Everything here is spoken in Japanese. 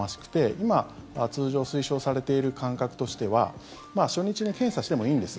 今、通常推奨されている間隔としては初日に検査してもいいんです。